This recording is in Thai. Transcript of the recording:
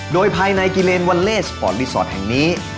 โดยภายในกิเลนวัลเลสปอร์ตรีสอร์ทแห่งนี้